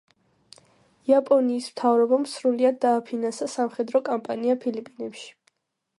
იაპონიის მთავრობამ სრულიად დააფინანსა სამხედრო კამპანია ფილიპინებში.